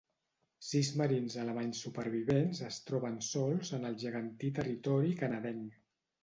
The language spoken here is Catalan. Sis marins alemanys supervivents es troben sols en el gegantí territori canadenc.